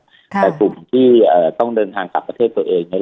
แต่กลุ่มที่ต้องเดินทางกลับประเทศตัวเองเนี่ย